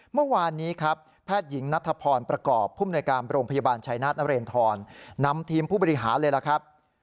เมื่อวานนี้ครับแพทย์หญิงนัทพรประกอบผู้มนวยการโรงพยาบาลชัยนาธนเรนทรนำทีมผู้บริหารเลยล่ะครับ